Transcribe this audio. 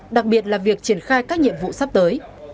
đặc biệt là việc triển khai các nhiệm vụ sắp tới